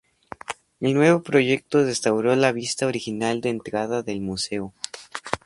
El nuevo proyecto restauró la vista original de entrada del Museo.